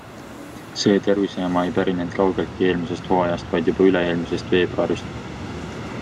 See tervisejama ei pärinenud kaugeltki eelmisest hooajast, vaid juba üle-eelmisest veebruarist.